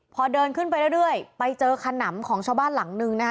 พอเดินขึ้นไปเรื่อยไปเจอขนำของชาวบ้านหลังนึงนะคะ